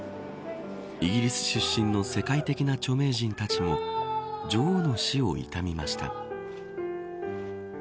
イギリス出身の世界的な著名人たちも女王の死を悼みました。